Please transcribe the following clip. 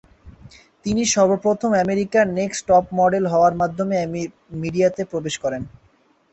তিনি সর্বপ্রথম "আমেরিকার নেক্সট টপ মডেল" হওয়ার মাধ্যমে মিডিয়াতে প্রবেশ করেন।